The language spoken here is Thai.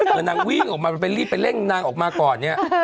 นางวิ่งออกมารีบไปเร่งนางออกมาก่อนเนี่ย